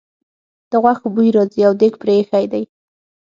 د غوښو بوی راځي او دېګ پرې ایښی دی.